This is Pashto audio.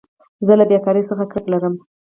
زه له بېکارۍ څخه کرکه لرم.